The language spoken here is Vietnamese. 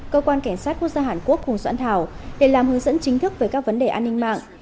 cơ quan cảnh sát quốc gia hàn quốc cùng soạn thảo để làm hướng dẫn chính thức về các vấn đề an ninh mạng